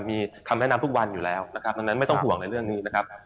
มีคำแนะนำทุกวันอยู่แล้วนะครับดังนั้นไม่ต้องห่วงในเรื่องนี้นะครับ